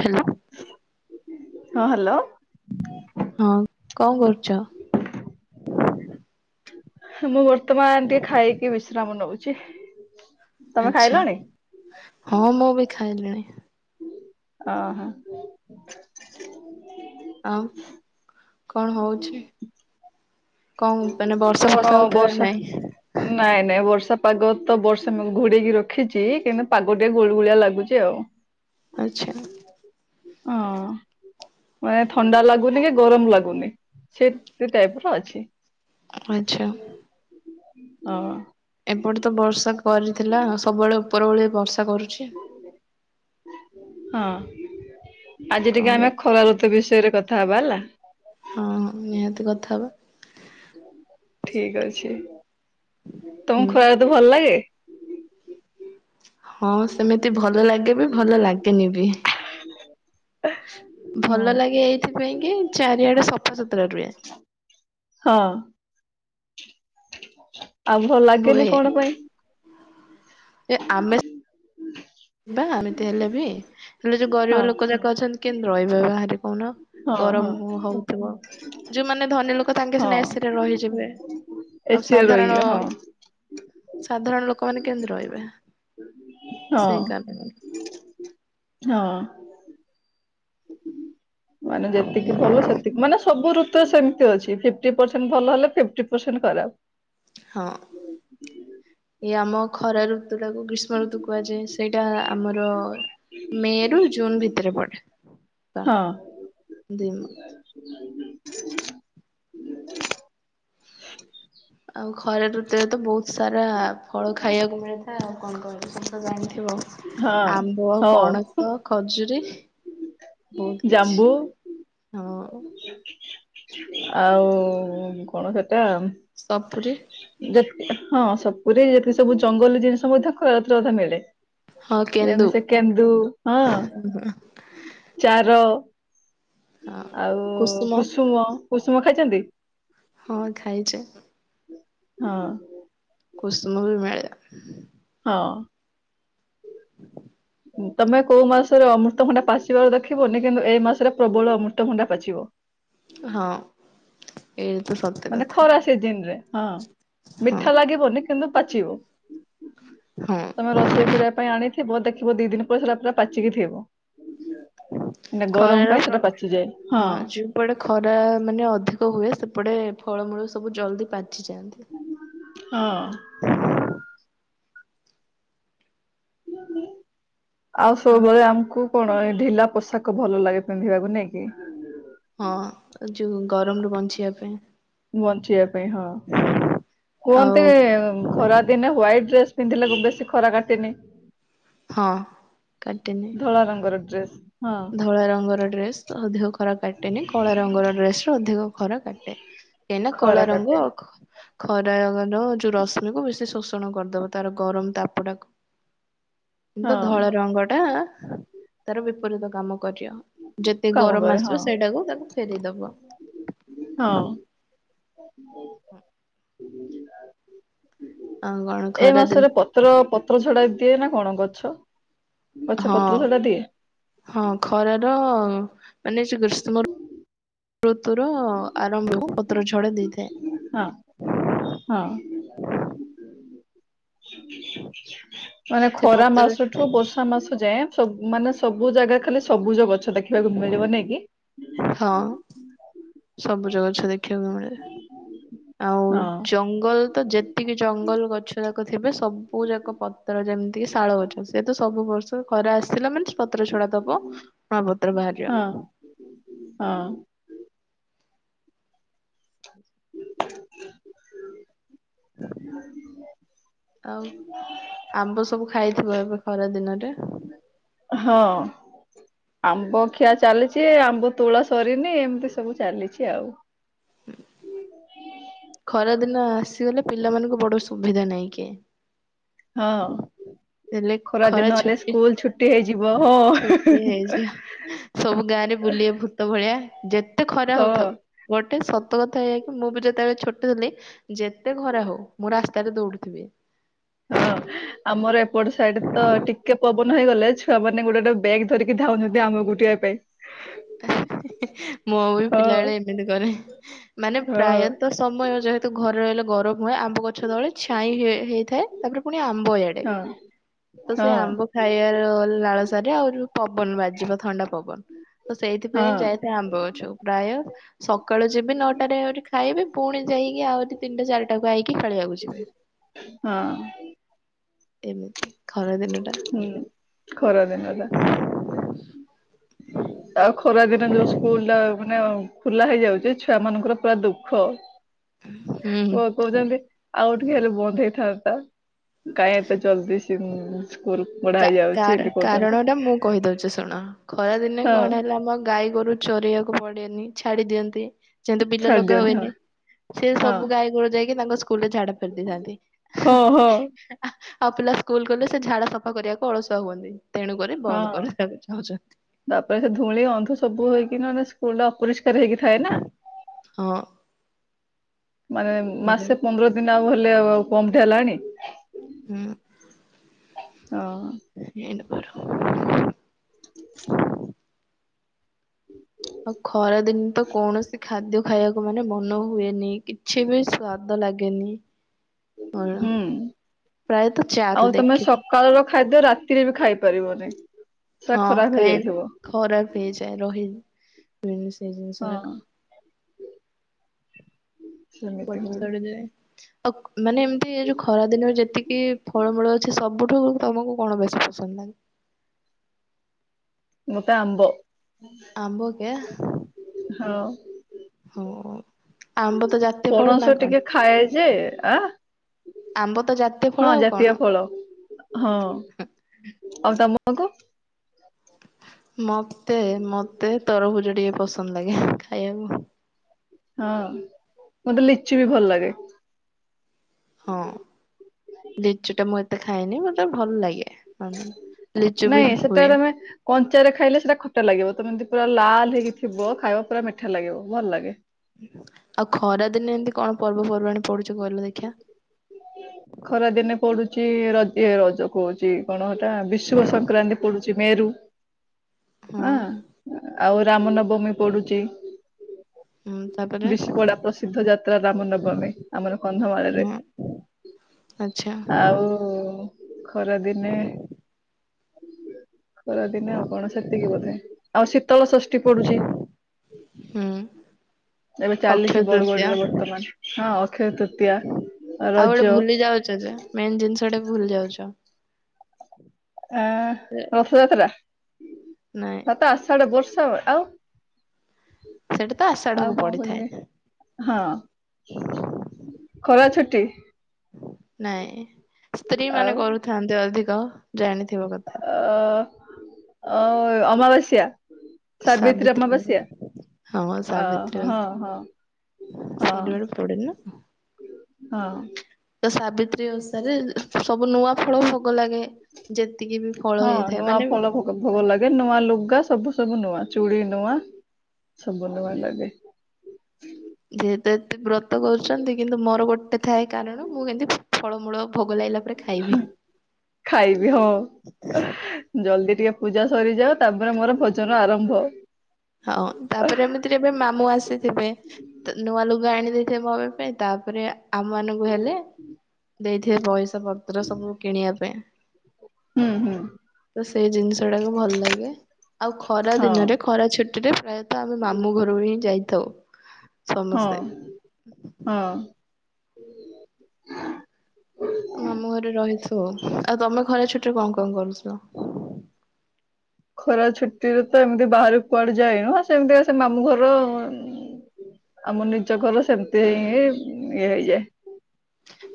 Hello ହଁ hello ହଁ କଣ କରୁଛ? ମୁଁ ବର୍ତ୍ତମାନ ଟିକେ ଖାଇକି ବିଶ୍ରାମ ନଉଛି। ତମେ ଆଛା ଖାଇଲଣି ହଁ ମୁଁ ବି ଖାଇଲିଣି। ଓହୋ ଆଉ କଣ ହଉଛି କଣ ମାନେ ବର୍ଷା କଣ ଫର୍ଷା ହଉଥିଲା ବର୍ଷା ନା ନାଇଁ ନାଇଁ ନାଇଁ ବର୍ଷା ପାଗ ତ ବର୍ଷା ଘୋଡେଇକି ରଖିଛି କିନ୍ତୁ ପାଗ ଟିକେ ଗୁଳି ଗୁଳିଆ ଲାଗୁଛି ଆଉ। ଆଚ୍ଛା ହଁ ମାନେ ଥଣ୍ଡା ଲାଗୁନି କି ଗରମ ଲାଗୁନି ସେତ ଟାଇପି ର ଅଛି। ଆଚ୍ଛା ହ ଏପଟେ ତ ବର୍ଷା କରିଥିଲା, ସବୁବେଳେ ଉପର ଓଳି ବର୍ଷା କରୁଛି। [inaudible] ହଁ ଆଜି କଣ ଟିକେ କ ଆମେ ଖରା ତୋ ବିଷୟରେ କଥା ହେବା ହେଲା। ହଁ! ହଁ! ନିହାତି କଥା ହେବା। ଠିକ ଅଛି, ହୁଁ ତମକୁ ଖୁଆ ରିତୁ ଭଲ ଲାଗେ? ହଁ ସେମିତି ଭଲ ଲାଗେ ବି, ଭଲ ଲାଗେନି ବି। ହଁ ଭଲ ଲାଗେ ଏଇଥିପାଇଁ କି ଚାରିଆଡେ ସଫାସୁତୁରା ରୁହେ। ହଁ! ଆଉ ଭଲ ଲାଗେନି ହୁଏ। କଣ ପାଇଁ? ଏ ଆମେ ବା ଏମିତି ହେଲେ ବି, ହେଲେ ଯୋଉ ଗରିବ ହଁ ଲୋକ ଯାକ ଅଛନ୍ତି କେମତି ରହିବେ ବାହାରେ କହୁନ। ହଁ ଗରମ ହଁ ହ ହଉଥିବ। ଯୋଉମାନେ ଧନୀ ଲୋକ ହଁ। ତାଙ୍କେସିନା ଏସି ରେ ରହିଯିବେ। ଆଉ ଏସିଆ ସାଧାରଣ, ରହିବେ ହଁ ସାଧାରଣ ଲୋକମାନେ କେମିତି ରହିବେ। ହଁ! ସେଇ କାରଣ ହଁ! ମାନେ ଯେତିକି ଭଲ ସେତିକି ମାନେ ସବୁ ଋତୁ ତ ସେମିତି ଅଛି। ଫିଫ୍ଟି ପରସେଣ୍ଟ ଭଲ ହେଲେ ଫିଫ୍ଟି ପରସେଣ୍ଟ ଖରାପ ହଁ! ଏଇ ଆମ ଖରା ଋତୁୁଟାକୁ ଗ୍ରୀଷ୍ମ ଗ୍ରୀଷ୍ମ ଋତୁ କୁହାଯାଏ। ସେଇଟା ଆମର ମେ ରୁ ଜୁନ୍ ଭିତରେ ପଡେ। ହଁ ଦିନ ଆଉ ଖରା ଋତୁରେ ତ ବହୁତ ସାରା ଫଳ ଖାଇବାକୁ ମିଳିଥାଏ। ଆଉ କଣ କହିବି ସବୁ ତ ଜାଣିଥିବ। ହଁ। ଆମ୍ବ ହଉ ପଣସ ଖଜୁରି, ବହୁତ କିଛି ଜାମ୍ବୁ ହଁ। [inaudible] ଆଉ କଣ ସେଟା ସପୁରି ଯେତ ହଁ ସପୁରୀ ଯେତିକି ସବୁ ଜଙ୍ଗଲି ଜିନିଷ ମଧ୍ୟ ଖରା ୠତୁରେ ମଧ୍ୟ ମିଳେ। ହଁ କେନ୍ଦୁ ଯେମିତି ସେ କେନ୍ଦୁ ହଁ!, ଚାର ହଁ ଆଉ କୁସୁମ, କୁସୁମ ଖାଇଛନ୍ତି? ହଁ ଖାଇଛ। ହଁ କୁସୁମ ବି ମିଳେ। ହଁ! [unintelligible] ତମେ କୋଉ ମାସରେ ଅମୃତଭଣ୍ଡା ପାଚିବାର ଦେଖିବନି, କିନ୍ତୁ ଏଇ ମାସରେ ପ୍ରବଳ ଅମୃତଭଣ୍ଡା ପାଚିବ ହଁ, ଏଇ ତ ସତ ମାନେ କଥା। ଖରା ସିଜିନ ରେ ହଁ, ହଁ ମିଠା ଲାଗିବନି କିନ୍ତୁ ପାଚିବ ହଁ [inaudible] ତମେ ରଷ ରୋଷେଇ କରିବା ପାଇଁ ଆଣିଥିବ, ଦେଖିବ ଦି ଦିନ ପରେ ସେଟା ପୁରା ପାଚିକି ଥିବ। ନା ଗରମ ପାଇଁ ସେଟା ପାଚିଯାଏ ହଁ। ସେପଟେ ଖରା ମାନେ ଅଧିକ ହୁଏ ସେପଟେ ଫଳମୂଳ ସବୁ ଜଲଦି ପାଚିଯାଆନ୍ତି। ହଁ। [inaudible] ଆଉ ସବୁବେଳେ ଆମକୁ ଆପଣ ଏ ଢିଲା ପୋଷାକ ଭଲ ଲାଗେ ପିନ୍ଧିବାକୁ ନାଇଁ କି? ହଁ ଯୋଉ ଗରମରୁ ବଞ୍ଚିବା ପାଇଁ। ବଞ୍ଚିବା ପାଇଁ ହଁ, ଆଉ କୁହନ୍ତି ଖରା ଦିନେ ହ୍ୱାଇଟ୍ ଡ୍ରେସ୍ ପିନ୍ଧିଲେ ବେଶୀ ଖରା କାଟେନି। ହଁ, କାଟେନି। ଧଳା ରଙ୍ଗର ଡ୍ରେସ୍। ଧଳା ରଙ୍ଗର ଡ୍ରେସ ଅଧିକ ଖରା କାଟେନି କଳା ରଙ୍ଗର ଡ୍ରେସର ଅଧିକ ଖରା କାଟେ, ଏଇନା ଖରା କଳା କାଟେ ରଙ୍ଗ ଖ ଖରାର ଯୋଉ ରଶ୍ମିକୁ ବେଶୀ ଶୋଷ୍ ଶୋଷଣ କରିଦେବ ତାର ଗରମ ତାପଟାକୁ, କିନ୍ତୁ ହଁ ଧଳା ରଙ୍ଗଟା ତାର ବିପରୀତ କାମ କରିବ ଯେତେ କାମ ଗରମ କରେ ହଁ। ଆସିବ ସେଇଟାକୁ ତାକୁ ଫେରେଇ ଦେବ। ହଁ। ହୁଁ। ଆଉ କଣ? ଏ ଖରା ଦିନ ମାସରେ ପତ୍ର ପତ୍ର ଝଡା ଦିଏ ନା କଣ ଗଛ, ଗଛ ହଁ ପତ୍ର ଝଡା ଦିଏ? ହଁ ଖରାର ମାନେ ସେ ଗ୍ରୀଷ୍ମ ଋ ଋତୁର ଆରମ୍ଭକୁ ପତ୍ର ଝଡା ଦେଇଥାଏ। ହଁ ହଁ। ମାନେ ସେ ଖରା ପତ୍ର ମାସଠୁ ବର୍ଷା ମାସ ଯାଏଁ ସବ୍ ମାନେ ସବୁ ଜାଗା ଖାଲି ସବୁଜ ଗଛ ଦେଖିବାକୁ ମିଳିବ ନାଇଁ କି? ହଁ ସବୁଜ ଗଛ ଦେଖ୍ ଦେଖିବାକୁ ମିଳେ ଆଉ ହଁ ଜଙ୍ଗଲ ତ ଯେତିକି ଜଙ୍ଗଲ ଗଛ ଯାକ ଥିବେ ସବୁ ଯାକ ପତ୍ର ଯେମିତିକି ଶାଳ ଗଛ୍ ସେ ତ ସବୁ ବର୍ଷ ଖରା ଆସିଲା ମାନେ ପତ୍ର ଛଡା ଦବ ନୂଆ ପତ୍ର ବାହାରିବା। ହଁ ହଁ। ଆଉ ଆମ୍ବ ସବୁ ଖାଇଥିବ ଏବେ ଖରା ଦିନରେ? ହଁ। ଆମ୍ବ ଖିଆ ଚାଲିଛି ଆମ୍ବ ତୋଳା ସରିନି ଏମିତି ସବୁ ଚାଲିଛି ଆଉ। ହୁଁ। ଖରା ଦିନ ଆସିଗଲେ ପିଲାମାନଙ୍କୁ ବଡ ସୁବିଧା ନାଇଁ କି? ହଁ। ହେଲେ ଖରା ଦିନ ହେଲେ ଛୁଟି ସ୍କୁଲ ଛୁଟି ହେଇଯିବ, ହଁ। ଉଁ ସବୁ ଗାଆଁରେ ବୁଲିବେ ଭୂତ ଭଳିଆ ଯେତେ ଖରା ହଁ। ହଉଥାଉ। ଗୋଟେ ସତ କଥା ଏଇଆ କି ମୁଁ ବି ଯେତେବେଳେ ଛୋଟ୍ ଥିଲି ଯେତେ ଖରା ହଉ ମୁଁ ରାସ୍ତାରେ ଦୌଡୁଥିବି। ହଁ। ଆମର ଏପଟେ ସାଇଡରେ ତ ଟିକେ ପବନ ହେଇଗଲେ ଛୁଆ ମାନେ ଗୋଟେ ଗୋଟେ ବ୍ୟେଗ୍ ଧରିକି ଧାଉଛନ୍ତି ଆମ୍ବ ଗୋଟେଇବା ପାଇଁ। ମୁଁ ବି ହଁ ପିଲାବେେଳେ ଏମିତି କରେ, ମାନେ ହଁ ପ୍ରାୟତଃ ସମୟ ଯେହେତୁ ଘରେ ରହିଲେ ଗରମ ହୁଏ ଆମ୍ବ ଗ ଗଛ ତଳେ ଛାଇ ହେ ହେଇଥାଏ ତାପରେ ପୁଣି ଆମ୍ବ ଏଡେ ହଁ ତ ହଁ ସେଇ ଆମ୍ବ ଖାଇବାର ଲାଳସାରେ ଆଉ ଯୋଉ ପବନ ବାଜିବ ଥଣ୍ଡା ପବନ। ତ ସେଇଥିପାଇଁ ହଁ। ଯାଇଥାଏ ଆମ୍ବ ଗଛକୁ, ପ୍ରାୟ ସକାଳୁ ଯିବ୍ ବି ନଅଟାରେ ଆହୁରି ଖାଇବି ପୁଣି ଯାଇକି ଆହୁରି ତିନିଟା ଚାରିଟାକୁ ଆଇକି ଖେଳିବାକୁ ଯିବି। ହଁ ଏମିତି ଖରା ଦିନ ଟା ହୁଁ ଖରା ଦିନଟା। ଆଉ ଖରା ଦିନ ଯୋଉ ସ୍କୁଲ ଟା ମାନେ ଆ ଖୁଲା ହେଇଯାଉଛି ଛୁଆ ମାନଙ୍କର ପୁରା ଦୁଃଖ। ହୁଁ। କହୁଛନ୍ତି ଆଉ ଟିକେ ହେଲେ ବନ୍ଦ ହେଇଥାନ୍ତା। କାହିଁ ଏତେ ଜଲଦି ସ୍କୁଲ ବଢା ହେଇଯାଉଛି କାର ଏମିତି କହୁଛନ୍ତି କାରଣ ଟା ମୁଁ କହିଦଉଛି ଶୁଣ ଖରାଦିନେ ହଁ। କଣ ହେଲା ଆମ ଗାଈ ଗୋରୁ ଚରିବାକୁ ପଡେନି ଛାଡି ଦିଅନ୍ତି। ଯେମତି ବିଲ ଛାଡି ଲଗା ଦିଅନ୍ତି ହଁ ହୁଏନି ସେ ହଁ ସବୁ ଗାଈ ଗୋଡ ଯାଇକି ତାଙ୍କ ସ୍କୁଲ ରେ ଝାଡା ଫେରି ଦେଇଥାନ୍ତି। ହଁ ହଁ ଆଉ ପିଲା ସ୍କୁଲ ଗଲେ ସେ ଝାଡା ସଫା କରିବାକୁ ଅଳସୁଆ ହୁଅନ୍ତି ତେଣୁକରି ବନ୍ଦ ହଁ। କରିବାକୁ ଚାହୁଁଛନ୍ତି। ତାପରେ ସେ ଧୂଳି ଅଧୁ ସବୁ ହେଇକି ସ୍କୁଲଟା ଅପରି ହେଇକି ଥାଏ ନା ହଁ ମାନେ ଏଇଟା ବି ମାସେ ପନ୍ଦର ଦିନ ଆଉ ହେଲେ ଆ ଆଉ କମଟେ ହେଲାଣି। ହୁଁ ହଁ। [inaudible] ହୁଁ। ଆଉ ଖରାଦିନ ତ କୌଣସି ଖାଦ୍ୟ ଖାଇବାକୁ ମାନେ ମନ ହୁଏନି କିଛି ବି ସ୍ଵାଦ ଲାଗେନି। ହୁଁ। ପ୍ରାୟତଃ ଆଉ ଚାରୁ ତମେ ଦେଖିବୁ। ସକାଳର ଖାଦ୍ୟ ରାତିରେ ବି ଖାଇ ପାରିବନି ସେଟା ଖରାପ ହେଇଯାଇଥିବ। ଫ୍ରିଜ୍ ରେ ରହି ସେଇ ଜିନିଷ ହଁ ରାଙ୍କ ସେମିତି ପଚି ହୁଏ ସଢି ଯାଏ ଆଉ ମାନେ ଏମିତି ଏ ଯୋଉ ଖରା ଦିନରେ ଯେତିକି କି ଫଳମୂଳ ଅଛି ସବୁଠୁ ତମକୁ କଣ ବେଶୀ ପସନ୍ଦ ଲାଗେ? ମତେ ଆମ୍ବ। ଆମ୍ବ କେ ହଁ। ହଉ ଆମ୍ବ ତ ଜାତୀୟ ଫଳ ନା ପଣସ କଣ? ଟିକେ ଖାଏ ଯେ ଆଁ ଆମ୍ବ ତ ଜାତୀୟ ଫଳ ଆଉ କଣ। ହଁ ଆଉ ତମକୁ। ମତେ ମତେ ତରଭୁଜ ଟିକେ ପସନ୍ଦ ଲାଗେ ଖାଇବାକୁ। ହଁ ମତେ ଲିଚୁ ବି ଭଲ ଲାଗେ। ହଁ ଲିଚୁ ଟା ମୁଁ ଏତେ ଖାଏନି ମତେ ଭଲ ଲାଗେ। ହଁ ଲିଚୁ ବି ନାଇଁ ସେଟା ହୁଏ। ତମେ କଞ୍ଚାରେ ଖାଇଲେ ସେଇଟା ଖଟା ଲାଗିବ ତମେ ଯଦି ପୁରା ଲାଲ୍ ହେଇକି ଥିବ ଖାଇବ ପୁରା ମିଠା ଲାଗିବ ଭଲ ଲାଗେ। ଆଉ ଖରା ଦିନେ ଏମିତି କଣ ପର୍ବପର୍ବାଣି ପଡୁଛି କହିଲ ଦେଖିବା? ଖରା ଦିନେ ପଡୁଛି ରଜ ଇଏ ରଜ କହୁଛି କଣ ସେଟା ବିଶୁ ସଂକ୍ରାନ୍ତି ପଡୁଛି ମେରୁ। ହଁ ଆଉ ରାମ ନବମୀ ପଡୁଛି। ହୁଁ। ତାପରେ ବିଶିପଡା ପ୍ରସିଦ୍ଧ ଯାତ୍ରା ରାମନବମୀ ଆମର କନ୍ଧମାଳରେ। ହୁଁ ଆଚ୍ଛା ଆଉ ଖରାଦିନେ ଖରାଦିନେ ଆଉ କଣ ସେତିକି ବୋଧେ ଆଉ ଶୀତଳ ଷଷ୍ଠୀ ପଡୁଛି। ହୁଁ। ଏବେ ଅକ୍ଷୟ ଚାଲିଛି ତୃତୀୟା ବରଗଡରେ ବର୍ତ୍ତମାନ ହଁ ଅକ୍ଷୟ ତୃତୀୟା। ଆଉ ରଜ ଗୋଟେ ଭୁଲି ଯାଉଛ ଯେ, ମେନ୍ ଜିନିଷ ଟା ଭୁଲି ଯାଉଛ। ଆଁ ରଥଯାତ୍ରା। ନାଇଁ [unintelligible] [unintelligible] ଆଉ ସେଟା ତ କଣ ଆଷାଢକୁ ପଡିଥାଏ କରିବି। ହଁ ଖରା ଛୁଟି। ନାଇଁ ସ୍ତ୍ରୀ ମାନେ ଆଉ କରୁଥାନ୍ତି ଅଧିକ, ଜାଣିଥିବ କଥା। ଅ ଅ ଅମବାସ୍ୟା? [unintelligible] ହଁ ଅ ସାବିତ୍ରୀ ହଁ ଅ ହଁ ହଁ [unintelligible] ହଁ। [unintelligible] ସାବିତ୍ରୀ ଓଷା ରେ, ସବୁ ନୂଆ ଫଳ ଭୋଗ ଲାଗେ। ଯେତିକି ବି ଫଳ ହଁ ହେଇଥାଏ, ନୂଆ ମାନେ ଫଳ ଭୋଗ ଭୋଗ ଲାଗେ ନୂଆ ଲୁଗା, ସବୁ ସବୁ ନୂଆ ଚୁଡି ନୂଆ, ସବୁ ନୂଆ ଲାଗେ। ଯେହେତୁ ଏତେ ବ୍ରତ କରୁଛନ୍ତି କିନ୍ତୁ ମୋର ଗୋଟେ ଥାଏ କାରଣ ମୁଁ କେମିତି [inaudible] ଫଳମୂଳ ଭୋଗ ଲାଗିଲା ପରେ ଖାଇବି। [unintelligible] ଖାଇବି ହଁ। ଜଲଦି ଟିକେ ପୂଜା ସରିଯାଉ ତାପରେ ମୋର ଭୋଜନ ଆରମ୍ଭ। ହଁ ତାପରେ ଆମେ ଏବେ ମାମୁଁ ଆସିଥିବେ, ନୂଆ ଲୁଗା ଆଣି ଦେଇଥିବେ ମମି ପାଇଁ, ତାପରେ ଆମ ମାନଙ୍କୁ ହେଲେ ଦେଇଥିବେ ପଇସା ପତ୍ର ସବୁ କିଣିଆ ପାଇଁ। ହୁଁ ହୁଁ ତ ସେଇ ଜିନିଷ ଟାକୁ ଭଲ ଲାଗେ। ଆଉ ଖରା ହଁ ଦିନରେ ଖରା ଛୁ ରେ ପ୍ରାୟତଃ ଆମେ ମାମୁଁ ଘର ହିଁ ଯାଇଥାଉ, ହଁ ସମସ୍ତେ। ହଁ ମାମୁ ଘରେ ରହିଥାଉ। ଆଉ ତମେ ଖରା ଛୁଟିରେ କଣ କଣ କରୁଛ? ଖରା ଛୁଟିରେ ତ ଏମିତି ବାହାରେ କୁଆଡେ ଯାଏନୁ ସେମିତିକା ସେ ମାମୁଁ ଘର ଉଁ ଆମ ନିଜ ଘର ସେମିତି [unintelligible]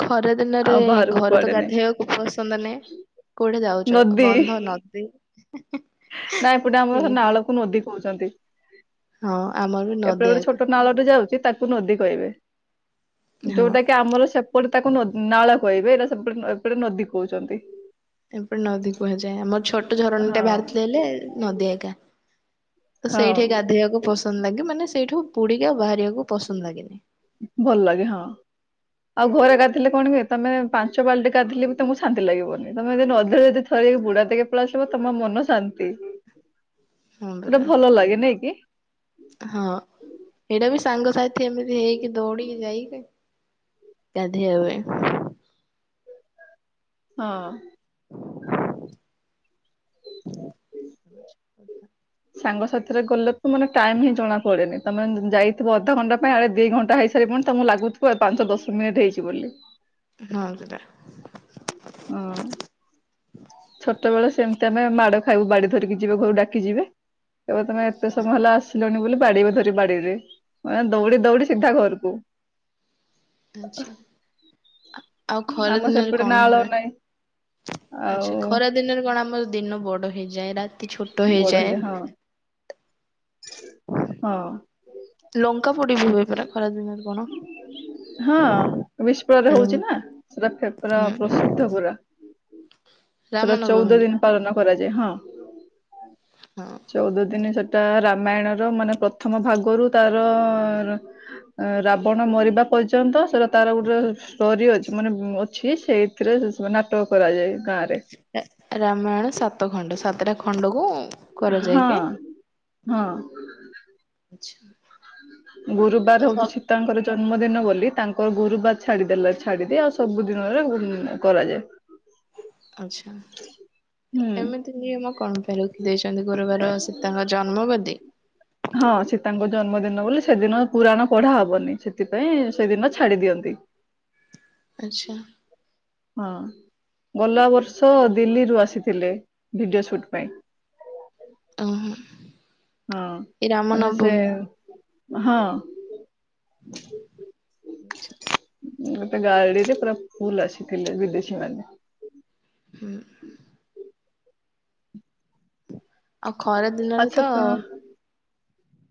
ଖରା ଦିନରେ ଆଉ ବାହାରକୁ ଘରେ ତ କୁଆଡେ ନାହିଁ ଗାଧେଇୟାକୁ ପସନ୍ଦ ନାହିଁ। କୋଉଠି ଯାଉଛ? ନଦୀ ବନ୍ଧ ନଦୀ। ନା ଏପଟେ ଆମର ସେଇ ନାଳକୁ ନଦୀ କହୁଛନ୍ତି। ହଁ ଆମର ବି ଏପଟେ ନଦୀ ଗୋଟେ ଛୋଟ [unintelligible] ନାଳଟେ ଯାଉଛି ତାକୁ ନଦୀ କହିବେ। ହଁ ଯୋଉଟା କି ଆମର ସେ ସେପଟେ ତାକୁ ନ ନାଳ କହିବେ [unintelligible] ଏପଟେ ନଦୀ କୁହୁଛନ୍ତି। ଏପଟେ ନଦୀ କୁହାଯାଏ। ଆମର ଛୋଟ ଝରଣୀ ଟା ହଁ ବାହାରିଥିଲେ ହେଲେ ନଦୀ ଆକା। ହଁ ସେଇଠି ଗାଧେଇବାକୁ ପସନ୍ଦ ଲାଗେ ମାନେ ସେଇଠୁ ବୁଡିକି ଆଉ ବାହାରିବାକୁ ପସନ୍ଦ ଲାଗେନି। ଭଲ ଲାଗେ ହଁ। ଆଉ ଘରେ ଗାଧଇଲେ କଣ ହୁଏ ତମେ ପାଞ୍ଚ ବାଲ୍ଟି ଗାଧଇଲେ ବି ତମକୁ ଶାନ୍ତି ଲାଗିବନି, ତମେ ଯଦି ନଦୀ ରେ ଯଦି [unintelligible] ଆସିବ ତମ ମନ ଶାନ୍ତି। [inaudible] ଗୋଟେ ପରା ଭଲ ଲାଗେ ନାଇଁ କି? ହଁ ଏଇଟା ବି ସାଙ୍ଗସାଥି ଏମିତି ହେଇକି ଦୌଡିକି ଯାଇକି [unintelligible] ହଁ। [inaudible] ସାଙ୍ଗ ସାଥିରେ ଗଲେ ତ ମାନେ ଟାଇମ ହିଁ ଜଣା ପଡେନି। ତମେ ଯାଇଥିବ ଅଧାଘଣ୍ଟା ପାଇଁ ଆଡେ ଦି ଘଣ୍ଟା ହେଇି [unintelligible] ତଙ୍କୁ ଲାଗୁଥିବ ପାଞ୍ଚ ଦଶ ମିନିଟ୍ ହେଇଛି ବୋଲି। ହଁ ସେଟା। ହଁ। ଛୋଟ ବେଳେ ସେମିତି ଆମେ ମାଡ଼ ଖାଇବୁ ବାଡି ଧରିକି ଯିବ, ଘରୁ ଡାକି ଯିବେ। କହିବେ ତମେ କେତେ ସମୟ ହେଲା ଆସିଲୁଣି ବୋଲି ବାଡିବ ଧରି ବାଡିରେ ମାନେ ଦୌଡି ଦୌଡି ସିଧା ଘରକୁ। ଆଚ୍ଛା। ଆଉ ଖରା ଆମ ଦିନରେ ସେପଟେ କଣ ନାଳ ହୁଏ ନାହିଁ। ଆଛା ଆଉ ଖରା ଦିନରେ କଣ ଆମର ଦିନ ବଡ ହେଇଯାଏ ରାତି ଛୋଟ ବଡ ହେଇଯାଏ। ହେଇଯା ହଁ ହଁ। ଲଙ୍କା ପୋଡି ବି ହୁଏ ପରା ଖରା ଦିନରେ କଣ। ହଁ [unintelligible] ହୁଁ ହଉଛି ନା ରଥଯାତ୍ରା ପ୍ରସିଦ୍ଧ ପୁରା। ସେଟା ଚଉଦ ରାମନବମୀରେ ଦିନ ପାଳନ କରାଯାଏ ହଁ। ହଁ। ଚଉଦ ଦିନ ସେଟା ରାମାୟଣ ର ମାନେ ପ୍ରଥମ ଭାଗରୁ ତାର ରାବଣ ମରିବା ପର୍ଯ୍ୟନ୍ତ ସେଟା ତାର ଗୋଟେ ଷ୍ଟୋରୀ ଅଛି। ମାନେ ଅଛି ସେଇଥିରେ ସବୁ ନାଟକ କରାଯାଏ ଗାଁ ରେ। ରାମାୟଣ ସାତ ଖଣ୍ଡ ସାତଟା ଖଣ୍ଡକୁ କରା ହଁ ଯାଇକି ହଁ। ଗୁରୁବାର ହଉଛି ତାଙ୍କର ଜନ୍ମଦିନ ବୋଲି ତାଙ୍କର ଗୁରୁବାର ଛାଡିଦେଲେ ଛାଡିକି ଆଉ ସବୁ ଦିନରେ କରାଯାଏ [unintelligible] ଆଚ୍ଛା। ହୁଁ ଏମିତି ନିୟମ କଣ ପାଇଁ ରଖିଦେଇଛନ୍ତି ଗୁରୁବାର ସୀତାଙ୍କ ଜନ୍ମବାଦି? ହଁ ସୀତାଙ୍କ ଜନ୍ମଦିନ ବୋଲି ସେଦିନ ପୁରାଣ ପଢା ହବନି ସେଥିପାଇଁ ସେଦିନ ଛାଡି ଦିଅନ୍ତି। ଆଚ୍ଛା। ହଁ ଗଲା ବର୍ଷ ଦିଲ୍ଲୀରୁ ଆସିଥିଲେ ଭିଡିଓ ସୁଟ୍ ପାଇଁ। ଓହୋ। ହଁ ଏ ରାମ ମାନେ ସେ ନବମୀ ହଁ। [unintelligible] ଗୋଟେ ଗାଡିରେ ପୁରା ଫୁଲ ଆସିଥିଲେ ବିଦେଶୀ ମାନେ। ହୁଁ। ଆଉ ଖରା ଦିନରେ ଆଚ୍ଛା ତ କ